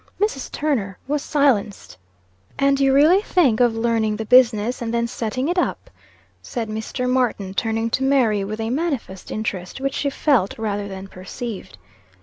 Mrs. Turner was silenced. "And you really think of learning the business, and then setting it up?" said Mr. Martin, turning to Mary, with a manifest interest, which she felt, rather than perceived.